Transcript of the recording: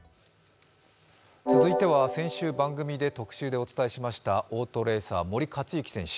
続いては先週、番組で特集でお送りしましたオートレーサー・森且行選手。